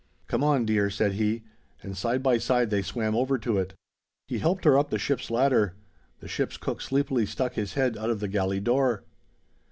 "Come on, dear," said he, and side by side they swam over to it. He helped her up the ship's ladder. The ship's cook sleepily stuck his head out of the galley door.